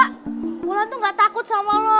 kak wulan tuh gak takut sama lu